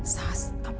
saat awal aku remas